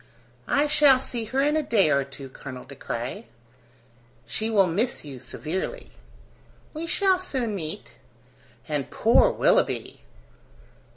"I shall see her in a day or two, Colonel De Craye." "She will miss you severely." "We shall soon meet." "And poor Willoughby!"